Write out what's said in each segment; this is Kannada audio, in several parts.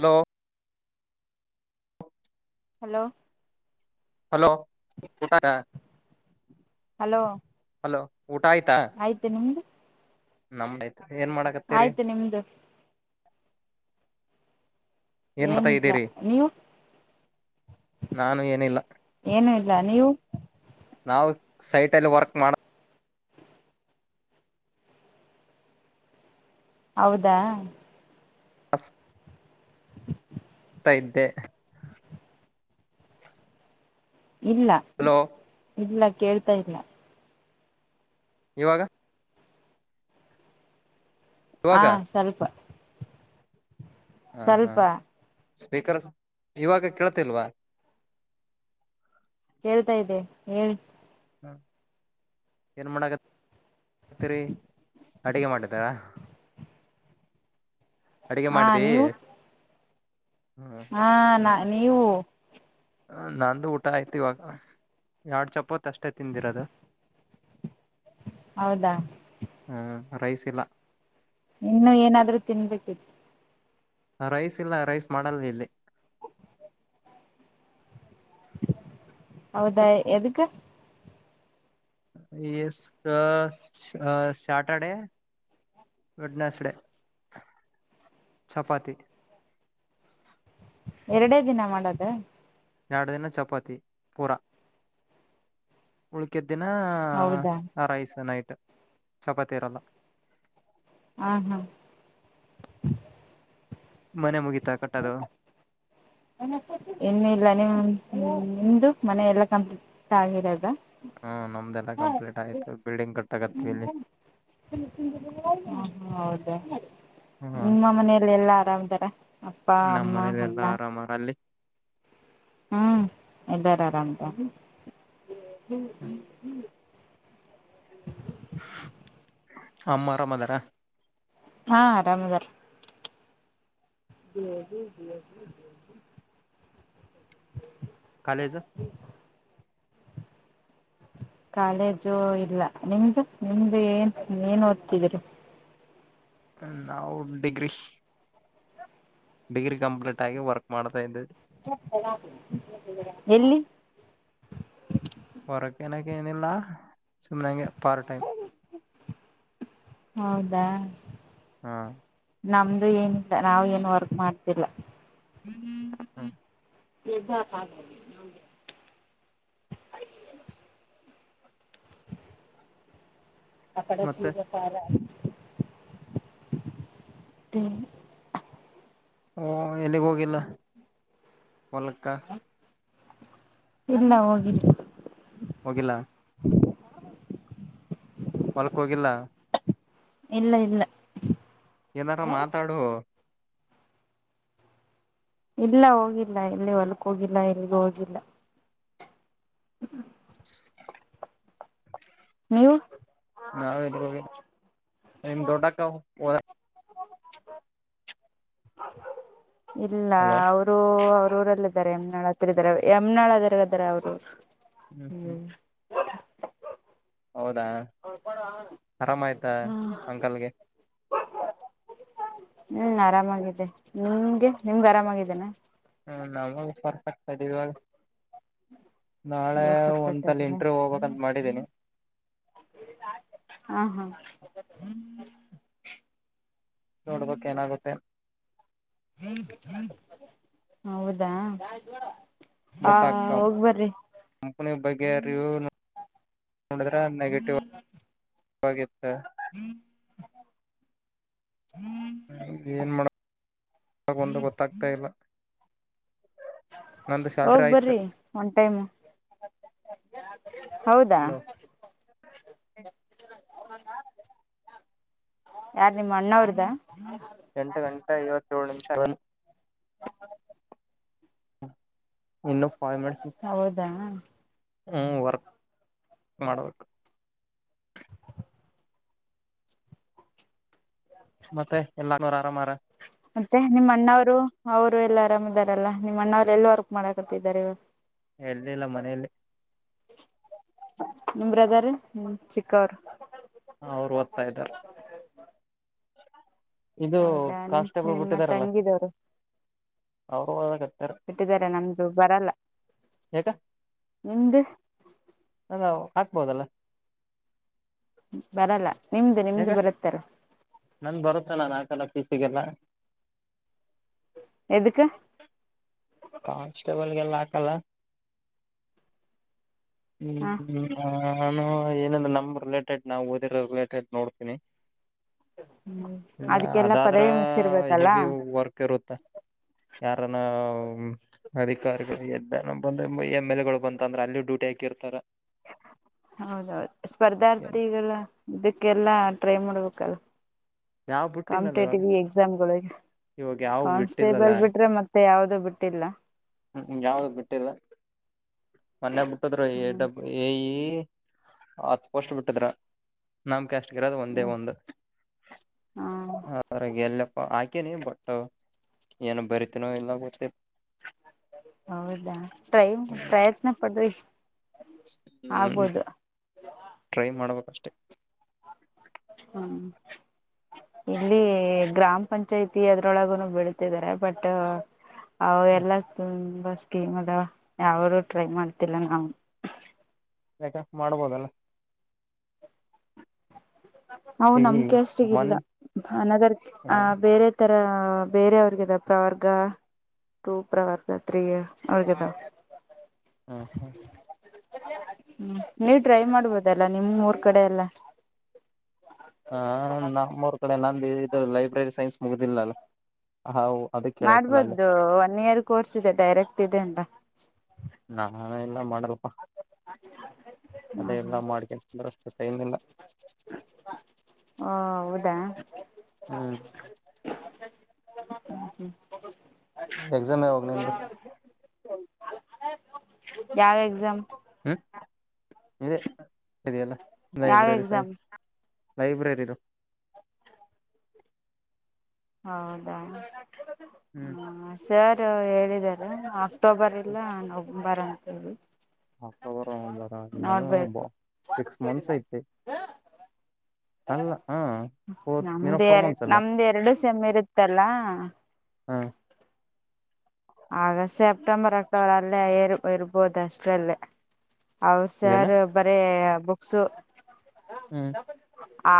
Hello hello hello [unintelligible] hello hello ಆಯ್ತು ನಿಮ್ದು ನಮ್ಮ ಏನ್ ಮಾಡಾಕತ್ತೀರಿ. ಆಯ್ತು ನಿಮ್ದು ಏನ್ ಏನ ಮಾಡ್ತಾ ಇಲ್ಲ ಇದ್ದೀರಿ ನೀವು ನಾನು ಏನಿಲ್ಲ ಏನು ಇಲ್ಲ ನೀವು ನಾವು ಸೈಟಲ್ಲಿ ವರ್ಕ್ ಮಾಡ ಹೌದಾ. ಹಸ್ ಆಗ್ತ ಇದ್ದೆ. ಇಲ್ಲ ಹಲೋ ಇಲ್ಲ. ಕೇಳ್ತಾ ಇಲ್ಲ. ಇವಾಗ ಹಾ ಇವಾಗ ಸ್ವಲ್ಪ ಹ ಹಾ ಸ್ವಲ್ಪ ಸ್ಪೀಕರ್ ಇವಾಗ ಕೇಳ್ತಿಲ್ವಾ ಕೇಳ್ತಾ ಇದ್ದೆ ಹೇಳಿ. ಹ ಏನ್ ಮಾಡಗರಿ ಅಡಿಗೆ ಮಾಡಿದಾ ಅಡಗೆ ಹಾ ಮಾಡದಿ. ನೀವು ಹಾ ನಾ ನೀವು ನಂದು ಊಟ ಆಯ್ತ ಇವಾಗ ಎಡ್ ಚಪಾತ್ ಅಷ್ಟೇ ತಿಂದಿರದು. ಹೌದಾ ರೈಸ್ ಇಲ್ಲ. ಇನ್ನು ಏನಾದ್ರೂ ತಿನ್ಬೇಕಿತ್ತು. ರೈಸ್ ಇಲ್ಲ ರೈಸ್ ಮಾಡಲ್ಲ ಇಲ್ಲಿ ಹೌದಾ ಎದಕ್ಕ ಎ ಅ ಸ್ಯಾಟರ್ಡೆೇ ಗುಡ್ ನಸ್ಡ ಚಪಾತಿ. ಎರಡೇ ದಿನ ಮಾಡೋದು. ಎರಡು ದಿನ ಚಪಾತಿ ಪೂರ ಉಳಕಿ ದಿನ ಹೌದಾ ರೈಸ್ ನೈತ ಚಪಾತೀರಲ್ಲ ಹಾ ಹಾ ಮನೆ ಮುಗೀತಾ ಕಟ್ಟದು ಇನ್ನುೂ ಇಲ್ಲ ನಿಮ್ ನಿಮ್ದು ಮನೆ ಎಲ್ಲ ಕಂಪ್ಲಿಟ್ ಆಗಿರದ ಹ್ಮ್ ನಮ್ದೆಲ್ಲ ಕಂಪ್ಲೀಟ್ ಆಯ್ತು ಬಿಲ್ಡಿಂಗ್ ಕಟ್ಟ ಹ್ಮ ಅದ ಹ್ಮ ನಿಮ್ಮ ಮನೇಲೆಲ್ಲ ಆರಾಮದ ಮಾತೆ ಅಪ್ಪಾ ನಮ್ಮ್ ಅಮ್ಮ ಮನೇಲೆ ಎಲ್ಲಾ ಅಣ್ಣಾ ಆರಾಮಾರ ಅಲ್ಲಿ ಹ್ಮ್ ಇದ್ದಾರೆ ಬಂತ [unintelligible] ಅಮ್ಮ ಅರಾಮ ಅದಾರಾ.. ಹಾ ಆರಾಮದಾರ ಕಾಲೇಜು ಕಾಲೇಜು ಇಲ್ಲ ನಿಮ್ದು ನಿಮ್ದು ಏನ್ ಏನ್ ಓದ್ತಿದಿರಿ ಹ ನಾವು ಡಿಗ್ರಿ ಡಿಗ್ರಿ ಕಂಪ್ಲೀಟ್ ಆಗಿ ವರ್ಕ್ ಮಾಡ್ತಾ ಇದೆವಿ ಎಲ್ಲಿ.. ಹೊರಕ್ಕೆನಕ್ಕೆ ಏನಿಲ್ಲ ಸುಮ್ಮನೆ ಹಂಗೆ ಪಾರ ಟೈಮ ಹೌದಾ.. ಹ್ಮ ನಮ್ಮ ನಮ್ದು ಏನ್ ನಾವು ಏನ್ ವರ್ಕ್ ಮಾಡ್ ಇಲ್ಲ [unintelligible] ನಿಜ ಹಾಗೆ ಅಕಡೆ ಮತ್ತೆ ಸೀರೆ ತಾರಾ ತೀ ಓ ಎಲ್ಲಿಗ್ ಹೋಗಿಲ್ಲ ಹೊಲಕ್ಕಾ ಇಲ್ಲ ಹೋಗಿದ್ವಿ ಹೋಗಿಲಾ ಹೋಲುಕ್ ಹೋಗಿಲ್ಲ ಇಲ್ಲ ಇಲ್ಲ. ಏನಾರ ಮಾತಾಡು. ಇಲ್ಲ ಹೋಗಿಲ್ಲ ಎಲ್ಲಿ ಹೊಲ್ಕ್ ಹೋಗಿಲ್ಲ ಎಲ್ಲಿಗೂ ಹೋಗಿಲ್ಲ. ನೀವು. ನಾ ದೊಡ್ಡಕ್ಕದ. ಇಲ್ಲ ಹಲೋ ಅವರು. ಊರಲ್ಲ ಇದ್ದಾರೆ ಯಮ್ನಾಳ್ ಹತ್ರ ಇದಾರೆ ಯಮನಾಳ್ದಾರೆ ಅವ್ರು. ಹ್ಮ್ ಹ್ಮ್. ಹೌದಾ ಆರಾಮ ಆಯ್ತಾ ಅಂಕಲ್ಗೆ. ಹ್ಮ ಆರಾಮಿದ್ದ ನಿಮ್ಗೆ ನಿಮ್ಗೆ ಆರಾಮಾಗಿದ್ದೇನೆ. ಹ್ಮ ನಾವಾಗ ಪರ್ಫತದೆ ಇವಾಗ. ನಾಳೆ ಇವಾಗ ಪರ್ಫೆಕ್ಟ್ ಒಂದ್ಸಲ ಆಗಿದೆ ಇಂಟ್ರವ್ಯೂ ಹೋಗ್ಬೇಕಂತ ಮಾಡಿದೀನಿ. ಹ್ಮ್. ನೋಡ್ಬೇಕಕ್ ಏನಾಗುತ್ತೆ. ಹೌದ [unintelligible] ದಾ. ಬಟ್ ಆ ಕಂ ಕಂಪನಿ ಬಗ್ಗೆ ರಿವ್ಯೂ ನೋಡಿದ್ರೆ ನೆಗೆಟಿವ್ ವಾಗಿತ್ತ [unintelligible] ಹ್ಮ್ ಹ್ಮ್. ಏನ್ ಮಾಡ [inaudible] ಒಂದು ಗೊತ್ತಾಗ್ತಾ ಇಲ್ಲ. ನಂದು ಸ್ಯಾಲ್ರಿ ಹೋಗ್ ಆಯ್ತು ಬರ್ರಿ ಒನ್ ಟೈಮ್ ಹೌದಾ. ಹಲೋ ಯಾರ ನಿಮ್ಮ ಅಣ್ಣ ಅವ್ರದ. ಎಂಟು ಗಂಟೆ ಐಯ್ವತ್ಯೆಲ್ ನಿಮಿಷ [unintelligible] [unintelligible] ಇನ್ನು ಫೈವ್ ಮಿನಿಟ್ಸ್ ಹೌದಾ ಹ್ಞ ವರ್ಕ್ ಮಾಡಬೇಕು. ಮತ್ತೆ ಎಲ್ಲಾರು ಆರಾಮಾರ ಮತ್ತೆ ನಿಮ್ಮ ಅಣ್ಣವರು ಅವರು ಎಲ್ಲ. ಆರಾಮ ಇದಾರಲ್ಲಾ ನಿಮ್ಮ ಅಣ್ಣವ್ರು ಎಲ್ಲ ವರ್ಕ್ ಮಾಡಕತ್ತಿದ್ದಾರೆ ಇವ ಎಲ್ಲಿಲ್ಲ ಮನೆಯಲ್ಲಿ ನಿಮ್ ಬ್ರದರ್ ಚಿಕ್ಕವರು. ಅವ್ರು ಓದ್ತಾ ಇದ್ದಾರ. ಹೌದಾ ನಿಮ್ ನಿಮ ತ ಬಿಟ್ಟಿದಾರಲ್ಲ ತಂಗಿದವರು ಅವರು ಓದಕತ್ತಾರ ಬಿಟ್ಟಿದಿದ್ದಾರೆ ನಮ್ದು ಬರಲ್ಲ ಯಾಕ ನಿಮ್ದು. ಅ ನಾವು ಹಾಕ್ಬೋದಲ್ಲ. ಬರಲ್ಲ. ನಿಮ್ದು ನಿಮ್ದು ಬರುತ್ತಾರ. ನಂದ ಬರುತ್ತ ನಾನ್ ಆಕಲ್ಲ ಪೀಸಿಗೆಲ್ಲ. ಎದುಕ್ಕ. ಕಾನ್ಸ್ಟೇಬಲ್ಗೆಲ್ಲ ಹಾಕಲ್ಲ. ಹ್ಮ್ ಹ ಹ್ಮ್ಮ ಹ. ನಾನು ಏನಂದ್ರ ನಮ ರಿಲೇಟೆಡ್ ನಾವು ಓದಿರೋ ರಿಲೇಟೆಡ್ ನೋಡ್ತೀನಿ ಹ್ಮ್ ಇಲ್ಲ ಅದಕ್ಕೆಲ್ಲಾ ಅದಾದ್ರ ಪದವಿ ಮುಗಸಿರ್ಬೇಕಲ್ಲ ಹೆವಿ ವರ್ಕ್ ಇರುತ್ತೆ ಯಾರಾನ ಹ್ಮ್ ಅಧಿಕಾರಿಗಳು ಎದ್ದ ಬಂದ ಎಮ್ ಎಲ್ ಎ ಗಳು ಬಂತ ಅಂದ್ರ ಅಲ್ಲಿ ಡ್ಯೂಟಿ ಹಾಕಿರ್ತಾರ ಹೌದೌದು ಸ್ಪರ್ಧಾರ್ತಿಗಳ ಇದಕ್ಕೆಲ್ಲಾ ಟ್ರೈ ಮಾಡ್ಬೇಕಲ್ಲ ಯಾವ್ ಬಿಟ್ಟಿಲ್ಲಲ್ಲ ಇವಾಗ ಕಾಂಪಿಟೇಟಿವ್ ಎಕ್ಸಾಮ್ಗಳಿಗೆ ಇವಾಗ ಯಾವ ಬಿಟ್ಟಿಲ್ಲಲ್ಲ ಕಾನ್ಸ್ಟೇಬಲ್ ಬಿಟ್ರೆ ಮತ್ತ [unintelligible] ಯಾವುದೂ ಬಿಟ್ಟಿಲ್ಲ ಮನ್ನೆ ಬಿಟ್ಟದರು ಹ್ಮ್ [unintelligible] ಎ ಈ [unintelligible] ಹತ್ತು ಪೋಸ್ಟ್ ಬಿಟ್ಟಿದ್ರು ನಮ್ಮ ಕ್ಯಾಸ್ಟ್ ಇರೋದು ಒಂದೇ ಹ್ಮ್ ಒಂದು ಹಾ ಅತರ ಎಲ್ಲಪ್ಪ ಹಾಕಿ [unintelligible] ತಿನಿ ಬಟ್ ಏನ ಬರಿತೀನೋ ಇಲ್ಲ ಗೊತಿ ಹೌದಾ ಟ್ರೈ ಪ್ರಯತ್ನ ಪಡ್ರಿ ಹ್ಮ್ ಆಗ್ಬೋದು ಟ್ರೈ ಮಾಡಬೇಕು ಹ್ಮ್ ಇಲ್ಲಿ ಗ್ರಾಮ ಪಂಚಾಯತಿ ಅದ್ರೊಳಗುನೂ ಬಿಡ್ತಾಇದರೆ ಬಟ್ ಹಾವೇಲ ತುಂಬ ಸ್ಕೀಮ್ ಅಂದವ ಟ್ರೈ ಮಾಡ್ತಿಲ್ಲ ನಾವ ಯಾಕ ಮಾಡ್ಬೋದಲ್ಲ [unintelligible] ಅವು ಈಗ ನಮ್ಮ ಕ್ಯಾಸ್ಟ್ ಗೆ ಮನ್ ಇಲ್ಲ ಅನದರ್ ಹ ಬೇರೆ ಧರ್ಮ ಹ್ಮ ಬೇರೆಯವರಿಗೆ ಇದೆ ಪ್ರವರ್ಗ ಟೂ ಪ್ರವರ್ಗ ತ್ರೀ ಹೇಗಿದೆ ಹ ನೀವು ಟ್ರೈ ಮಾಡಬೇಕು ಅದೆಲ್ಲ ನಿಮ್ಮ ಊರ್ ಕಡೆ ಎಲ್ಲ ಹ ನಮ್ಮೂರ್ ಕಡೆ ನಾ ಇದು ಲೈಬ್ರರಿ ಸೈನ್ಸ್ ಮುಗುದಿಲ್ಲಲ್ಲ ಹಾ ಮಾಡ್ಬೋದು ಒನ್ ಇಯರ್ ಕೋರ್ಸ್ ಇದೆ ಡೈರೆಕ್ಟ್ ಇದೆ ಅಂತ ನಾನ ಎಲ್ಲ ಮಾಡಾರಪ್ಪ ಹ ಹ ಮಾಡ್ಕೊಂತಂದ್ರ ಅಷ್ಟು ಟೈಮ್ ಇಲ್ಲ ಹ ಹೌದಾ [inaudible] ಹ್ಮ್ ಹ ಹ [inaudible] ಎಕ್ಸಾಮ್ ಯಾವಾಗ ನಿಂದು ಸರಿ [inaudible] ಯಾವ ಎಕ್ಸಾಮ್ ಇ ಸರಿಯಲ್ಲ ಯಾವ ಲೈಬ್ರರಿ ಎಕ್ಸಾಮ್ ಸೈನ್ಸ್ ಲೈಬ್ರರಿದು ಹೌದಾ ಹ್ಮ್ ಹ್ಮ ಸರ್ ಹೇಳಿದ್ದಾರೆ ಅಕ್ಟೋಬರ್ ಎಲ್ಲ ಬರ ಅಂಥವರು ಆಕ್ರ ಬರ ಇನ್ನು ಸಿಕ್ಸ್ ಮಂತ್ಸ್ ಐತೆ ಅಲ್ಲ ಹಾ ಹೋದ್ ಏನೋ ನಮ್ದು ಫೋರ್ ಎರಡ್ ಮಂತ್ಸ್ ಅಲ್ಲ ನಮ್ದ್ ಎರಡು ಸಮ್ಮಿರುತ್ತಲ್ಲ ಹ ಆಗಸ್ಟ್ ಸೆಪ್ಟೆಂಬರ್ ಅಕ್ಟೋಬರ್ ಅಲ್ಲೇ ಇರ್ಬೋದು ಅಷ್ಟ್ರಲ್ಲೇ ಹೌ ಇದೇನಾ ಸರ್ ಬರೇ ಬುಕ್ಸು ಹ್ಮ್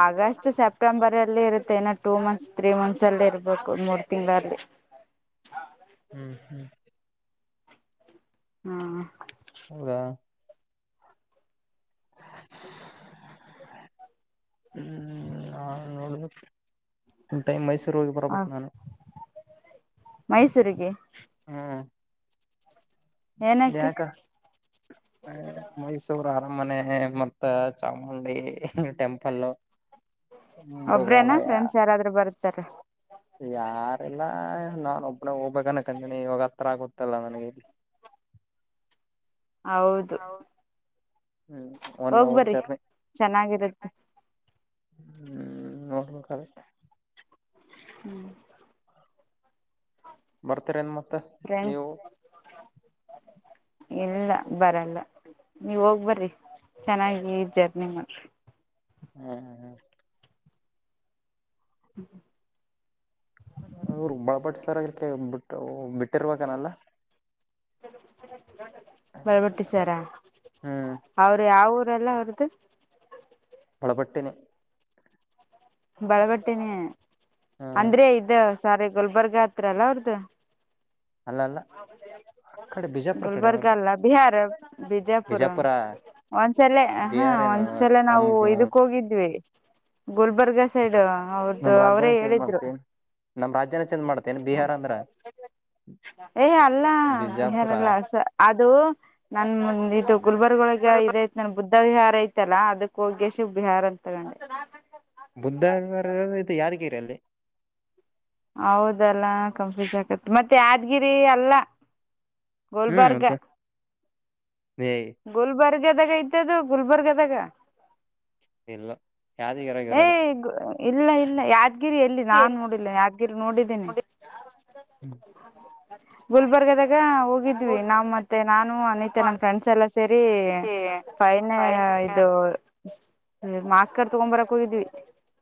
ಆಗಸ್ಟ್ ಸೆಪ್ಟೆಂಬರ್ ಅಲ್ಲಿ ಇರುತ್ತೆ ನ ಟೂ ಮಂತ್ಸ್ ತ್ರೀ ಮಂತ್ಸ್ ಅಲ್ಲಿ ಇರ್ಬೇಕು ಮೂರ್ ತಿಂಗಳಲ್ಲಿ ಹ್ಮ್ ಹ್ಮ್ ಹಾ ಹೌದಾ ಹ್ಮ್ ನಾ ನೋಡಬೇಕ ಟೂ [unintelligible] ಟೈಮ್ ಮೈಸ್ ಹಾ ಮೈಸೂರಿಗೆ ಏನಕ್ಕೆ ಯಕ ವ ಮೈಸೂರ್ ಆರ್ [unintelligible] ಮನೆ ಮತ್ತೆ ಚಾಮುಂಡಿ ಟೆಂಪಲ್ ಒಬ್ರೇನಾ ಮೃಗಾಲಯ ಫ್ರೆಂಡ್ಸ್ ಯಾರಾದ್ರೂ ಬರ್ತಾರೆ ಯಾರಿಲ್ಲ ನಾನು ಒಬ್ಬನ ಹೋಗ್ ಬಗನ [unintelligible] ಕಂದನಿ ಇವಾಗ ಹತ್ರ ಆಗುತ್ತಲ್ಲ ನನಗೆ ಇಲ್ಲಿ ಹೌದು ಹ್ಮ್ ಒನ್ ಅವರ್ ಹೋಗ್ಬರಿ ಜರ್ನಿ ಚೆನ್ನಾಗಿರುತ್ತ ಹ್ಮ [unintelligible] ಹ್ಮ್ ಬರ್ತಾರೆ ಏನ್ ಮಾ [unintelligible] ಮತ್ತ ಫ್ರೆಂಡ್ ನೀವು ಇಲ್ಲ ಬರಲ್ಲ ನೀವ ಹೋಗ್ಬರ್ರಿ ಚೆನ್ನಾಗಿ ಜರ್ನಿ ಮಾಡ್ರಿ ಹ್ಮ್ ಹ್ಮ ಹ್ಮ್ [unintelligible] ಹ್ಮ ಅವರು ಬಳಬಟ್ಟ [unintelligible] ಸರ್ಕ್ಕೆ ಬಿಟ್ಟ ಬಿಟ್ಟಿರ್ಬೇಕನಲ್ಲ ಬಳ್ಬಿಟ್ಟಸಾರ ಹ್ಮ್ ಅವರು ಯಾವ ಊರ್ ರೆಲ್ಲ ಅವ್ರದು [unintelligible] ಬಳಪಟ್ಟಿನೆ [unintelligible] ಬಳಬಟ್ಟೇನೆ ಹ್ಮ್ ಅಂದ್ರೆ ಇದ್ದ [unintelligible] ಸಾರಿ ಗುಲ್ಬರ್ಗ ಹತ್ರಲ್ಲ ಅವ್ರದ್ದು ಅಲ್ಲ ಅಲ್ಲ ಆ ಕಡೆ ಬಿಜಾಪುರ ಕಡೆ ಗುಲ್ಬರ್ಗ ಅವ್ರದು ಅಲ್ಲ ಬಿಹಾರ ಬಿಜಾಪುರ್ ಬಿಜಾಪುರ ಒಂದ್ಸಲ ಹಾ ಹ ಬಿಹಾರ್ ಏನು ಒಂದ್ಸಲ ನಮ್ ನಾವು ಇದಕ್ ಹೋಗಿದ್ವಿ ಗುಲ್ಬರ್ಗ್ ಸೈಡ್ ಅವ್ರ್ದು ನಮ್ ಅವರೇ ರಾಜ್ಯನ ಚೇಂಜ್ ಹೇಳಿದ್ರು ಮಾಡ್ತೇನ್ ನಮ್ ರಾಜ್ಯನ ಚೇಂಜ್ ಮಾಡ್ತೇನ್ ಬಿಹಾರ್ ಅಂದ್ರ ಏ ಅಲ್ಲ ಬಿಹಾರ್ ಬಿಜಾಪುರ ಅಲ್ಲ [unintelligible] ಅದು ನನ್ ಮುಂದಿದು ಗುಲ್ಬರ್ಗವೊಲ್ಗ [unintelligible] ಇದೈತ ನೋಡ್ ಬುದ [unintelligible] ವಿಹಾರ ಐತಲ್ಲಾ ಅದಕ್ಕ ಹೋಗ್ಯ ಶು ಬಿಹಾರ ಅಂತ ತಗೊಂಡೆ [unintelligible] ಬುದ್ಧರ ಇದು ಯಾರಿಗೆ [unintelligible] ಎಲ್ಲಿ ಹೌದಲ್ಲ ಕನ್ಫ್ಯೂಸ್ ಆಗತ್ ಮತ್ತೆ ಯಾದ್ಗಿರಿ ಅಲ್ಲ [unintelligible] ಗುಲ್ಬರ್ಗ ಹಯ ಗುಲ್ಬರ್ಗದಾಗ ಇದ್ದದು ಗುಲ್ಬರ್ಗದಾಗ ಇಲ್ಲ ಯಾದಗಿರಾಗ ಎ ಇರೋದು ಇಲ್ಲ ಇಲ್ಲ ಯಾದ್ಗಿರಿ ಎಲ್ಲಿ ನಾನ್ ಹ್ಮ್ ನೋಡಿಲ್ಲ ಯಾದ್ಗಿರಿ ನೋಡಿದ್ದೇನಿ [unintelligible] ಗುಲ್ಬರ್ಗದಾಗ ಹೋಗಿದ್ವಿ ನಾವು ಮತ್ತೆ ನಾನು ಅನತ್ಯ ನಮ್ಮ ಫ್ರೆಂಡ್ಸ್ ಎಲ್ಲ ಸರಿ ಫೈನ ಇದು ಮಾಸ್ಕರ್ ತಗೊಂಬರ ಕುಗಿದ್ವಿ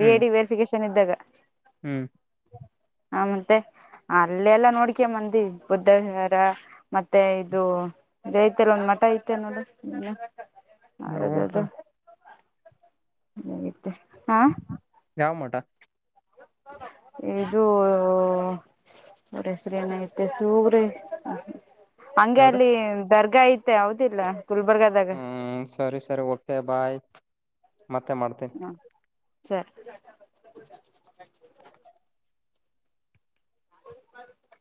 ಬಿ ಡಿ ವೆರಿಫಿಕೇಶನ್ ಚನ ಇದಿದ್ದಾಗ [unintelligible] ಹ್ಮ್ ಹ ಮತ್ತೆ ಅಲ್ಲೆಲ್ಲ ನೋಡ್ಕೇ ಮಂದಿ ಬುದ್ಧ ವಿಹಾರ ಮತ್ತೆ ಇದು ಇದ ಐತಿರ ಒಂದ್ ಮಠ ಐತೆನೋಲ್ಲ ನ ಊಟಾ ಹ ಮ ಹಾ ಯಾವಮೋಟಾ ಇದು ಅವರ ಹೆಸ್ರ ಏನಐತೆ ಸೂರಿ ಹಂಗೆ ಯಾವ್ದ ಅಲ್ಲಿ ದರ್ಗಾ ಐತೆ ಹೌದಿಲ್ಲ ಗುಲ್ಬರ್ಗದಾಗ ಹ್ಮ್ ಸರಿ ಸರಿ ಓಕೆ ಬಾಯ್ ಮತ್ತೆ ಮಾಡ್ತೀ ಹ್ಮ ಸರಿ ಹೌ